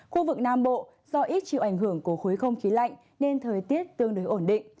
khu vực nam bộ do ít chịu ảnh hưởng của khối không khí lạnh nên thời tiết tương đối ổn định